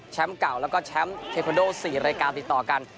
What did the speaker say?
เก่าแล้วก็แชมป์เทคอนโด๔รายการติดต่อกัน